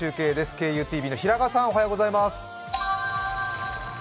ＫＵＴＶの平賀さん、おはようございます。